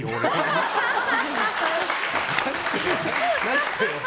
出してよ。